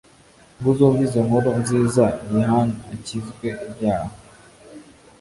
ngo uzumve izo nkuru nziza, yihan’ akizw’ ibyaha